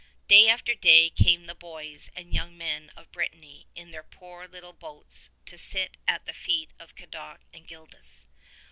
Day after day came the boys and young men of Brittany in their poor little boats to sit at the feet of Cadoc and Gildas.